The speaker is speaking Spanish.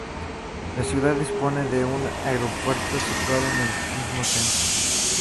La ciudad dispone de un aeropuerto situado en el mismo centro.